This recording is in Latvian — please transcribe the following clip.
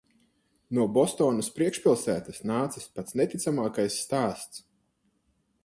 No Bostonas priekšpilsētas nācis pats neticamākais stāsts.